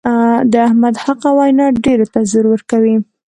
د احمد حقه وینا ډېرو ته زور ورکوي.